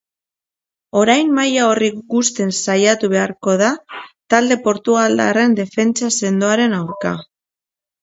Orain maila horri gusten saiatu beharko da talde portugaldarren defentsa sendoaren aurka.